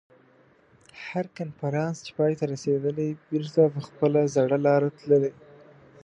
هر کنفرانس چې پای ته رسېدلی بېرته په خپله زړه لاره تللي.